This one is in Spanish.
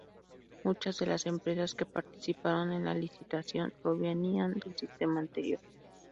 Muchas de las empresas que participaron en la licitación, provenían del sistema anterior.